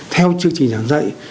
theo chương trình giảng dạy